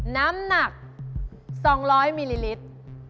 น้ำหนัก๒๐๐มิลลิลิตร